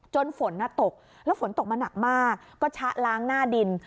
ฝนตกแล้วฝนตกมาหนักมากก็ชะล้างหน้าดิน